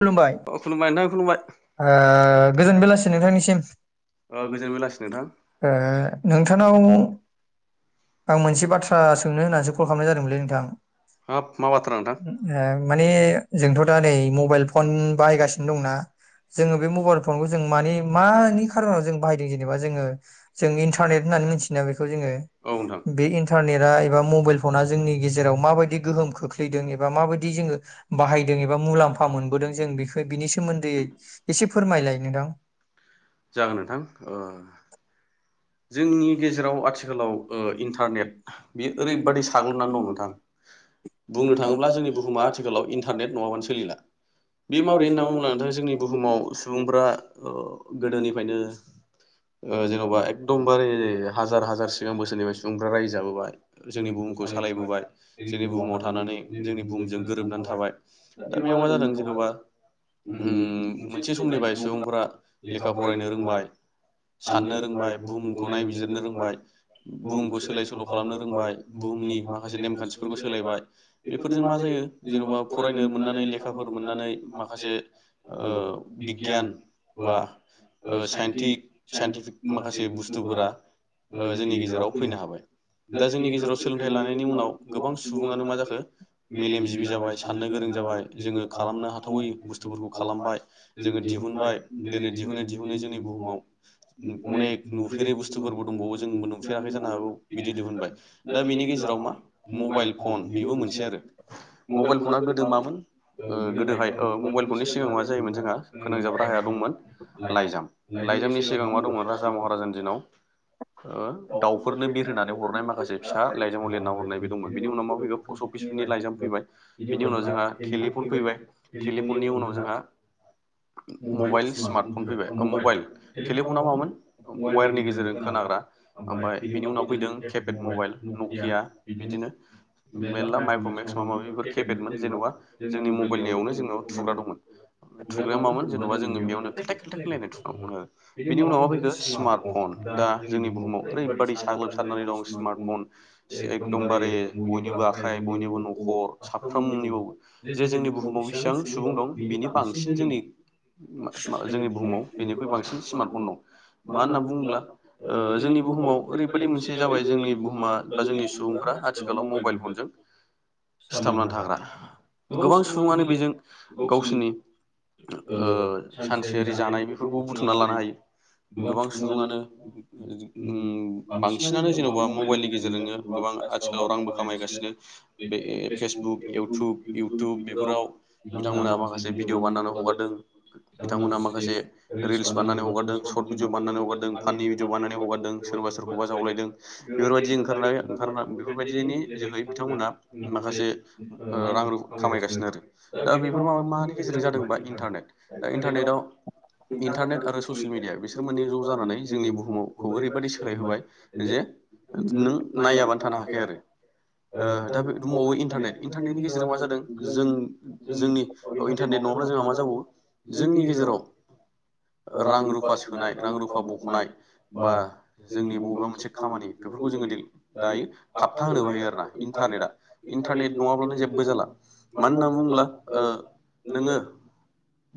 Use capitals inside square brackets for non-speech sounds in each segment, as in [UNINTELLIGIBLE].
खुलुमबाय अ खुलुमबाय नोंथां खुलुमबाय ओ गोजोन बेलासि नोंथांनिसिम ओ गोजोन बेलासि नोंथां नोंथांनाव आं मोनसे बाथ्रा सोंनो होननानैसो कल खालामनाय जादोंमोनलै नोंथां हाब मा ओ बाथ्रा नोंथां माने जोंथ' दा नै मबाइल उन बाहायगासिनो दंना? जोंङो बे मबाइल फनखौ जों माने मानि खारनाव जों बाहायदों जेनेबा जोंङो जों इन्टारनेट होननानै मिथियोना बेखौ जोंङो औ नोंथां बे इन्टारनेटआ एबा मबाइल फना जोंनि गेजेराव माबायदि गोहोम खोख्लैदों एबा माबादि जोंङो बाहायदों एबा मुलाम्फा मोन दों जों बेखो बिनि सोमोन्दै [UNINTELLIGIBLE] एसे फोरमायलाय नोंथां जागोन नोंथां ओ जोंनि गेजेराव आथिखालाव ओ इन्टारनेट बे ओरैबादि साग्लोबनानै दं नोंथां बुंनो थांङोब्ला जोंनि बुहुमा आथिखालाव इन्टारनेट नंङाबानो सोलिला। बे माबोरै होन्ना बुंङोब्ला नोंथां जोंनि बुहुमाव सुबुंफोरा ओ गोदोनिफ्रायनो ओ जेन'बा दमबारे हाजार हाजार सिगां बोसोरनिफ्राय सुबुंफ्रा रायजो जाबोबाय जोंनि बुहुमखौ सालायबोबाय जोंनि बुहुमाव थानानै जोंनि बुहुमजों गोरोबनानै थाबाय दा बेयाव मा जादों उम मोनसे समनिफ्राय सुबुंफोरा लेखा फरायनो रोंबाय साननो रोंबाय बुहुमखौ नायबिजिरनो रोंबाय बुहुमखौ सोलाय सोल' खालामनो रोंबाय बुहुमनि माखासे नेम खान्थिफोरखौ सोलायबाय बेफोरजों मा जायो जेन'बा फरायनो मोननानै लेखा फोर मोन्नानै माखासे ओ बिगगियान बा ओ साइनथि साइनथिफिग खासै बुस्थुफोरा ओ जोंनि गेजेराव फैनो हाबाय दा जोंनि गेजेराव सोलोंथाइ लानायनि उनाव गोबां सुबुंङानो मा जाखो मेलेमजिबि जाबाय साननो गोरों जाबाय जोंङो खालामनो हाथावै बुस्थुफोरखौ खालामबाय जोंङो दिहुनबाय दिनै दिहुनै दिहुनै जोंनि बुहुमाव अनेक नुफेरै बुस्थुफोरबो दंबावो जोंबो नुफेराखै जानो हागौ बिदि दिहुनबाय दा बेनि गेजेराव मा मबाइल फन बेबो मोनसे आरो मबाइल फना गोदो मामोन ओ गोदोहाय ओ मबाइल फननि सिगांङाव मा जायोमोन जोंहा फोनांजाब राहाया दंमोन लाइजाम लाइजामनि सिगांङाव मा दंमोन जा महाराजानि दिनाव ओ दाउफोरनो बिरहोनानै हरनाय माखासे फिसा लाइजामाव लिरना हरनाय बे दंमोन बेनि उनाव मा फैगौ पस्ट अफिसफोरनि लाइजाम फैबाय बिनि उनाव जोंहा टेलिफन फैबाय टेलिफननि उनाव जोंहा मबाइल स्मार्टफन फैबाय अ मबाइल टेलिफना मामोन अम वेरनि गेजेरजों खोनाग्रा ओमफाय बेनि उनाव फैदों केपेड मबाइल नकिया बिदिनो मेरला माइक्रमेक्स माबा माबि बेफोर केपेडमोन जेन'बा जोंनि मबाइलनियावनो जोंनाव थुग्रा दंमोन थुग्राया मामोन जेन'बा जोंङो बेयावनो खेल्थेक खेल्थेक होनलायनाय थुनांगौमोन आरो बेनि उनाव मा फैखो मार्टफन दा जोंनि बुहुमाव ओरैबादि साग्लोबसारनानै दं स्मार्टफन सेगखदमबारे बयनिबो आखाइ बयनिबो न'खर साफ्रोमनिआवबो जे जोंनि बुहुमाव बेसेबां सुबुं दं बिनि बांसिन जोंनि मा मा जोंनि बुहुमाव बेनिख्रुइ बांसिन स्मार्टफन दं मा होनना बुंङोब्ला ओ जोंनि बुहुमाव ओरैबायदि मोनसे जाबाय जोंनि बुहुमा बा जोंनि सुबुंफ्रा आथिखालाव मबाइल फनजों सिथाबनानै थाग्रा। गोबां सुबुंङानो बेजों गावसोरनि ओ सानसेयारि जानाय बेफोरखौ बुथुमना लानो हायो। गोबां सुबुंङानो ओ बांसिनानो जेनबा मबाइलनि गेजेरजोंनो गोबां आथिखालाव रांबो खामायगासिनो बे फेसबुक इउटुब इउटुब बेफोराव बिथांमोनहा माखासे भिडिअ बानायनानै हगारदों बिथांमोनहा माखासे रिल्स बाननानै हगारदों। भिडिअ बानायनानै हगारदों फानि भिडिअ बानायनानै हगारदों सोरबा सोरखौबा जावलायदों बेफोरबायदि ओंखारनाय ओंखारना बेफोरबायदिनि जोहै बिथांमोना माखासे ओ रां रु खामायगासिनो आरो दा बेफोर माबा मानि गेजेरजों जादों बा इन्टारनेट दा इन्टारनेटआव इन्टारनेट आरो सस मिडिया बिसोर मानि ज' जानानै जोंनि बुहुमाव खौ ओरैबादि सोलाय होबाय जे नों नायाबानो थानो हाखाया आरो ओ दा दंबावो इन्टारनेट इन्टारनेटनि गेजेराव मा जादों जों जोंनि इन्टारनेट नंङाबा जों मा जाबावो जोंनि गेजेराव रां रुफ रुफा सोनाय रां रुफा बखनाय बा जोंनि बबेबा मोनसे खामानि बेफोरखौ जोंङो दायो थाबथा होनोबो हायो आरोना इन्टारनेटआ इन्टारनेट नंङाबानो जेबो जाला मानो होनना बुंब्ला ओ नोंङो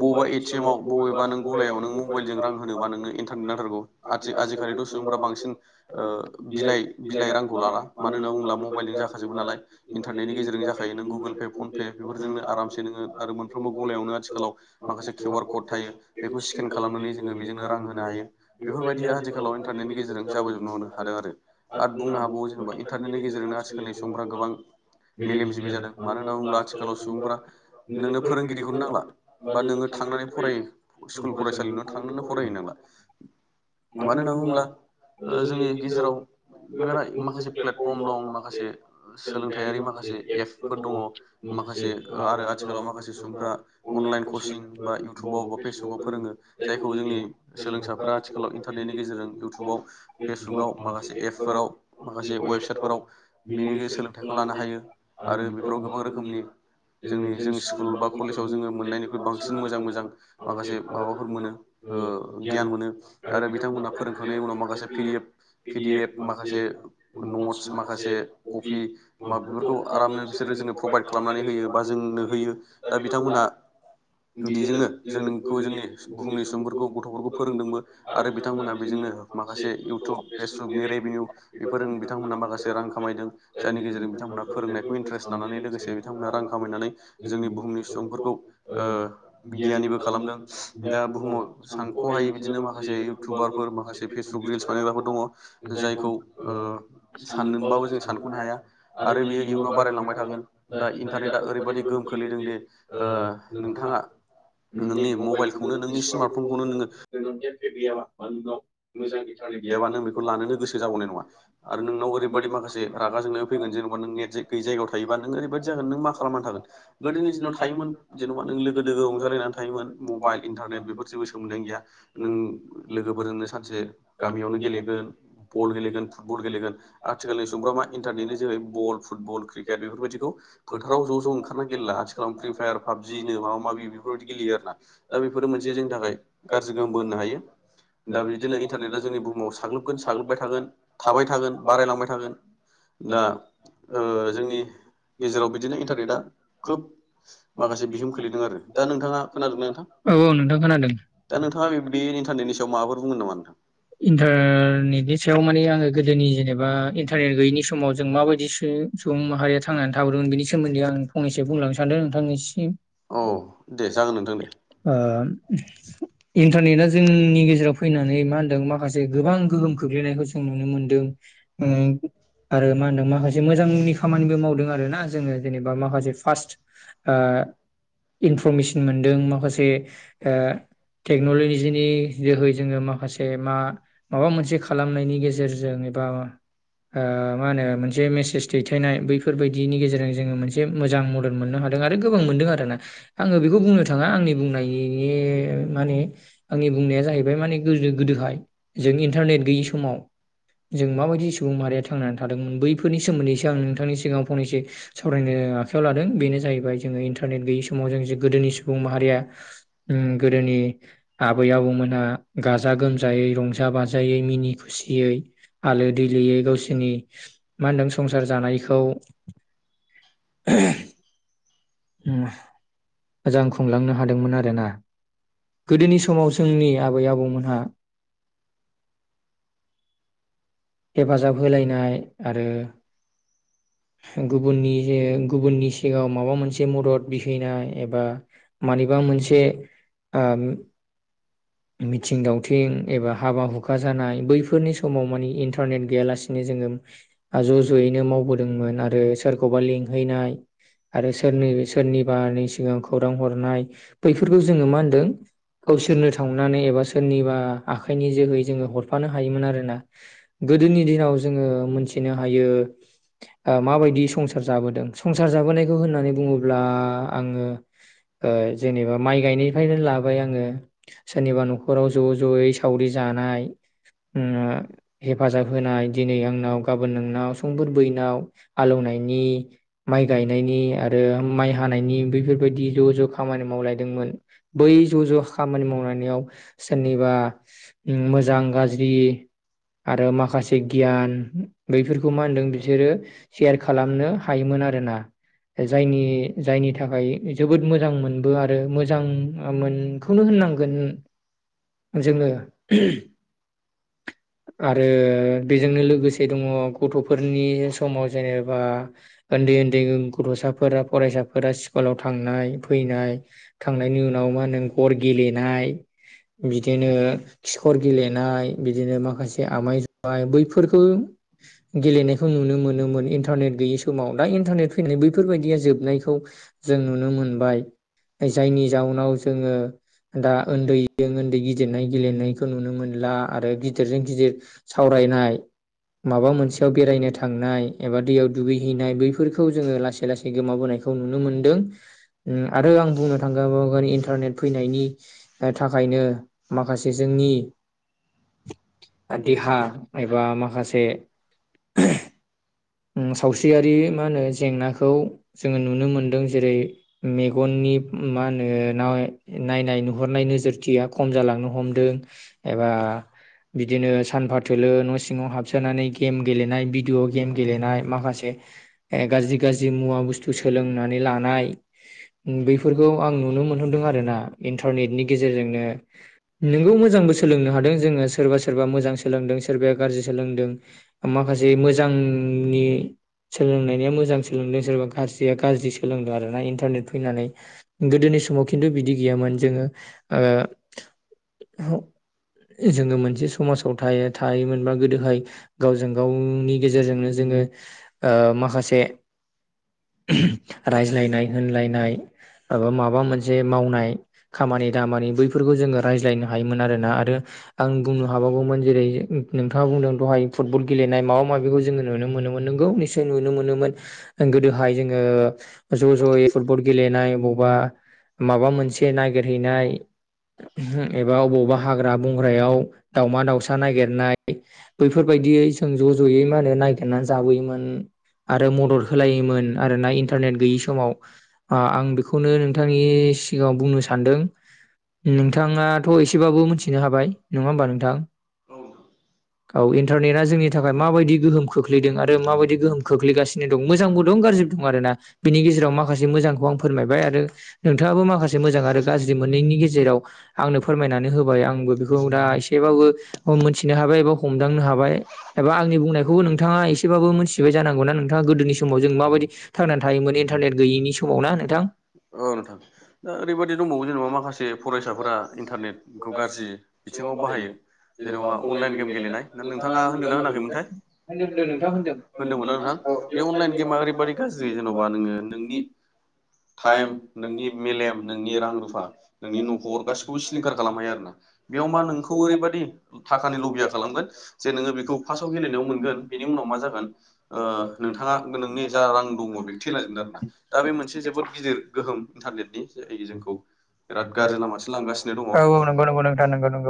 बबा ए टि एम आव बबेबा नों गलायाव नों बइलजों रां होनोबा नोंनो इन्टारनेट नांथारगौ आथि आजिखालिथ सुबुंफ्रा बांसिन ओ बिलाइ बिलाइ रांखौ लाला मानो होनना बुंब्ला मबाइलजों जाखाजोबो नालाय इन्टारनेटनि गेजेरजों जाखायो नों गुगोल पे फनपे बेफोरजोंनो आरामसे नोंङो आरो मोनफ्रोमबो गलायावनो आथिखालाव माखासे किउ आर कड थायो बेखौ स्केन खा खालामनानै जोंङो बेजोंनो रां होनो हायो बेफोरबायदि आथिखालाव इन्टारनेटनि गेजेरजों जाबोजोबनो मोनो हादों आरो आथ बुंनो हाबावो जेनेबा इन्टारनेटनि गेजेरजोंनो आथिखालनि सुबुंफ्रा गोबां मेलेमजिबि जादों मान मानो बुंब्ला आथिखालाव सुबुंफ्रा नोंनो फोरोंगिरिखौनो नांला बा नोंङो थांनानै फरायो स्कुल फरायसालियावनो थांनोनो फरायहैनांला मानो होनना बुंङोब्ला ओ जोंनि गेजेराव बिराराय माखासे प्लेटफर्म दं माखासे सोलोंथायारि माखासे एप्सफोर दंङ माखासे ओ आरो आथिखालाव माखासे सुबुंफ्रा अनलाइन कचिं बा इउटुबाव बा फेसबुकाव फोरोंङो जायखौ जोंनि सोलोंसाफ्रा आथिखालाव इन्टारनेटनि गेजेरजों इउटुबाव फेसबुकआव माखासे एप्सफोराव माखासे वेबसाइटफोराव बेनि सोलोंथाइखौ लानो हायो आरो बेफोराव गोबां रो रोखोमनि जोंनि जों स्कुल बा कलेजाव जोंङो मोननायनिख्रुइ बांसिन मोजां मोजां माखासे माबा फोर मोनो ओ गियान मोनो आरो बिथांमोनहा फोरोंखांनायनि उनाव माखासे P D F P D F माखासे नटस माखासे कपि माब्लरखौ आरामनो बिसोरो जोंङो प्रभाइद खालामनानै होयो बा जोंनो होयो दा बिथांमोनहा बेजोंनो जोनोमखौ जोंनि बुहुमनि सुबुंफोरखौ गथ'फोरखौ फोरोंदोंबो आरो बिथांमोनहा बेजोंनो माखासे इउटुब फेसबुकनि रेभिनिउ बेफोरजों बिथांमोनहा माखासे रां खामायदों जायनि गेजेरजों बिथांमोनहा फोरोंनायखौ इन्टारेस्ट लानानै से बिथांमोना रां खामायनानै जोंनि बुहुमनि सुबुंफोरखौ ओ गियानिबो खालामदों। बुहुमाव सानखहायै बिदिनो माखासे इउटुबारफोर माखासे फेसबुक रिल्स बानायग्राफोर दंङ जायखौ ओ सानदोंबाबो जों सानखनो हाया आरो बेयो इयुनाव बारायलांबाय थागोन दा इन्टारनेटा ओरैबायदि गोहोम खोलैदों दि ओ नोंथांङा नोंनि मबाइलखौ खौनो नोंनि स्मार्ट फन'खौनो नोंङो [UNINTELLIGIBLE] गैयाबा नों बेखौ लानोनो गोसो जाबावनाय नंङा आरो नोंनाव ओरैबायदि माखासे रागाजोंनाय फैगोन जेनबा नों नेट जायै गैयै जायगायाव थायोबा नों ओरैबायद जागोन नों मा खालामना थागोन गोदोनि दिनाव थायोमोन जेन'बा नों लोगो दो रंजालायनानै थायोमोन मबाइल इन्टारनेट बेफोर जेबो सोमोन्दोआनो गैया नों लोगोफोरजोंनो सानसे गामियावनो गेलेगोन बल गेलेगोन फुटबल गेलेगोन आथिखालनि सुबुंफ्रा मा इन्टारनेटनि जोहै बल फुटबल क्रिकेट बेफोरबायदिखौ फोथाराव ज' ज' ओंखारना गेलेला आथिखालाव फ्रि फायार पाबजिनो माबा माबि बेफोरबायदि गेलेयो आरोना दा बेफोरो मोनसे जोंनि थाखाय गाज्रि गोहोमबो होननो हायो दा बिदिनो इन्टारनेटआ जोंनि बुहुमाव साग्लोबगोन साग्लोबबाय थागोन थाबाय थागोन बारायलांबाय थागोन दा ओ जोंनि गेजेराव बिदिनो इन्टारनेटआ खोब माखासे बिहोम खोलैदों आरो दा नोंथांङा खोनादोंना नोंथां? औ औ नोंथां खोनादों दा नोंथांङा बे बे इन्टारनेटनि सायाव माबाफोर बुंगोन नामा नोंथां? इन्टार नेट नि सायाव माने आंङो गोदोनि जेनेब बा इन्टारनेट गैयिनि समाव जों माबायदि सो सुबुं माहारिया थांना हरोन बेनि सोमोन्दै आं फंनैसो बुंलांनो सानदों नोंथांनिसिम औ ओ दे जागोन नोंथां दे [UNINTELLIGIBLE] इन्टारनेटआ जोंनि गेजेराव फैनानै मा होनदों माखा से गोबां गोहोम खोख्लैनायखौ खौ नुनो मोनदों ओ आरो मा होनदों माखासे मोजांनि खामानिबो मावदों आरो। ना जोंङो जेनेबा माखसे फार्से ओ इनफ्रमेसिन मोन्दों माखासे ओ टेकनलजि जोहै जोंङो माखासे से मा माबा मोनसे खालामनायनि गेजेरजों एबा ओ मा होनो मोनसे मेसेज दैथायनाय बैफोर बायद दि नि गेजेरजों जोंङो मोनसे मोजां मद मोननो हादों आरो गोबां मोनदों आरोना आंङो बेखौ बुंनो थांङा आंनि बुंनाय ये माने आंनि बुंनाया जाहैबाय माने गोजो दोहाय जों इन्टारनेट गैयि समाव जों माबायदि सुबुं माहारिया थांनानै थादोंमोन बैफोरनि सोमोन्दैसो आं नोंथांनि सिगांङाव फंनैसो सावरायनो आखायाव लादों बेनो जाहैबाय जोङो इन्टारने गैय समाव जों जे गोदोनि सुबुं माहारिया उम गोदोनि आबै आबौ मोनहा गाजा गोम जायै रंजा बाजायै मिनि खुसियै आलो दैलोयै गावसोरनि मा होनदों संसार जानायखौ [UNINTELLIGIBLE] [UNINTELLIGIBLE] मोजां खुंलांनो हादोंमोन आरोना गोदोनि समाव जोंनि आबै आबौ मोनहा हेफाजाब होलायनाय आरो गुबुननि जे गुबुननि सिगाङाव माबा मोनसे मदद बिहैनाय एबा मानिबा मोनसे ओ मिथिं दावथिं एबा हाबा हुखा जानाय बैफोरनि समाव माने इन्टारनेट गैयालासिनो जोङो ज' ज'यैनो मावबोदोंमोन आरो सोरखौबा लिंहैनाय आरो सोरनि सोरनिबा सिागां खौरां हरनाय बैफोरखौ जोंङो मा होनदों गावसोरनो थांनानै एबा सोरनिबा आखाइनि जोहै जोंङो हरफानो हायोमोन आरोना गोदोनि दिनाव जोङो मोनथिनाय हायो आ माबादि संसार जाबोदों संसार जाबोनायखौ होननानै बुङोब्ला आ़ङो अ जेनेबा माइ गायनायनिफ्रायनो लाबाय आङो सोरनिबा न'खराव ज' ज'यै सावरि जानाय ओ हेफाजाब होनाय दिनै आंनाव गाबोन नोंनाव सफोर बैनाव हालौनायनि माइ गायनायनि आरो आरो माइ हानायनि बैफोरबायदि ज' ज' खामानि मावलायदोंमोन बै ज' ज' खामानि मावलनायाव सोरनिबा मोजां गाज्रि आरो माखासे गियान बैफोरखौ मा होनदों बिसोरो सेयार खालामनो हायोमोन आरोना जायनि जायनि थाखाय जोबोद मोजां मोनबो आरो मोजां मोनखौनो होननांगोन जोंङो आरो बेजोंनो लोगोसे दङ गथ'फोरनि समाव जेनेबा उन्दै उन्दै साफोरा फरायसाफोरा स्कुलाव थांनाय फैनाय थांनायनि उनाव मा होनो गर गेलेनाय बिदिनो खिखर गेलेनाय बिदिनो आमाय जाय बैफोरखौ गेलेनायखौ नुनो मोनोम इन्टारनेट गैयै समाव दा इन्टारनेट फैनाय बैफोरबायदिया जोबनायखौ जों नुनो मोनबाय जायनि जाउनाव जोङो दा उन्दैजों उन्दै गिदिरनाय गेलेनायखौ नुनो मोनला आरो गिदिरजों गिदिर सावरायनाय माबा मोनसेयाव बेरायनो थांनाय एबा दैयाव दुगैहैनाय बैफोरखौ खौ जोऔङो लासै लासै गोमाबोनायखौ खौ नुनो मोनदों आरो ओम आं बुंनो [UNINTELLIGIBLE] इन्टारनेट फैनायनि थाखायनो माखासे जोंनि देहा एबा माखासे ओम सावस्रियारि मा होनो जेंनाखौ जोङो नुनो मोनदों जेरै मेगननि मा होनो नायनाय नुहरनाय नोजोरथिया खम जालांनो हमदों एबा बिदिनो सानफा थोलोलो न' सिङाव हाबसोनानै गेम गेलेनाय भिदिअ गेम लेनाय मा खासे आ गाज्रि गाज्रि मुवा बुसथु सोलोंनानै लानाय बैफोरखौ आं नोनो मोनहरदों आरोना नंगौ मोजांबो सोलों नों हादों सोरबा मोजां सोलोंदों सोरबाया गाज्रि सोलोंदों माखासे मोजां नि सोलोंनानै मोजां सोलोंदों सोराया गारजिया गारजि सोलोंदों आरोना इनतारनेत फैनानै गोदोनि‌ समाव किन्तु बिदि गैया मोन जोङो आ ह जोङो मोनस समाजाव थायो थायोमोनबा गोदोहाय गावजों गावनि गेजेरजोंनो ओ माखासे उहुम रायज्लायनाय होनलायनाय आबा माबा मोनसे मावनाय खामानि दामानि बैफोरखौ जोङो रायज्लायनो हायोमोन आरोना आरो आं बुंनो हाबावगौमोन जेरै नोंथाङा बुंदों दहाय फुटबल गेलेनाय माबा माबिखौ जोङो नुनो मोनोमोन नंगौ निसय नुनो मोनोमोन गोदोहाय जोङो ज' ज'यै फुटबल गेलेनाय बबा माबा मोनसे नागिरहैनाय उहुम एबा अबावबा हाग्रा बंग्रायाव दाउमा दाउसा नागिरनाय बैफोरबायदियै जों ज' ज'यै मा होनो ना जाबोयोमोन आरो मदद होलायोमोन आरोना इन्टरनेट गयै समाव आ आं बेखौनो नोंथांनि सि सानदों नोंथाङाथ' एसेबाबो मिथिनो हाबाय नङा होमबा नोंथां? औ इन्टारनेटआ जोंनि थाखाय मा बायदि गोहोम खोख्लैदों आरो माबायदि गोहोम खोख्लैगासिनो दं मोजांबो दं गाज्रि दं आरोना बिनि गेजेराव माखासे मोजांखौ आं फोरमायबाय आरो नोंथाङाबो माखासे रो गाज्रि मोननैनि गेजेराव आंनो फोरमायनानै होबाय आंबो बेखौ दा एसेबाबो मोनथिनो हाबाय एबा हमदांनो हाबाय एबा आंनि बुंनायखौबो नोंथ थाङा एसेबाबो मिथिबाय जानांगौ ना नोंथाङा गोदोनि समाव जों माबायदि थांनानै थायोमोन इन्टारनेट गैयिनि समाव ना नोंथां? औ नोंथां दा ओरैबायदि दंबावो जेनेबा माखासे फरायसाफोरा इन्टारनेटखौ गाज्रि बिथिङाव बाहायो जेनेबा अनलाइन गेम गेलेनाय दा नोंथाङा होनदोंना होनाखैमोनथाय? [UNINTELLIGIBLE] होनदोंमोन ना नोंथां बे अनलाइन गेमा ओरैबादि गाज्रि जेन'बा नोङो नोंनि टाइम नोंनि मेलेम नोंनि रां रुफा नोंनि न'खर गासिखौबो सिलिंखार खालाम हायो आरोना बेयाव मा नोंखौ ओरैबादि थाखानि लबिया खालामगोन जे नोङो बेखौ फास्थआव गेलेनायाव मोन गोन बिनि उनाव मा जागोन ओ नोंथाङा नोंनि जा रां दङ बेखौ थैलाजोबगोन आरोना दा बे मोनसे जोबोद गिदिर गोहोम इन्टारनेटनि जाय जोंखौ [UNINTELLIGIBLE] बेराद बिराद गाज्रि लामाजों लामासो लांगासिनो थांगासिनो दं। औ औ नंगौ नंगौ दङ नोंथां नंगौ नंगौ।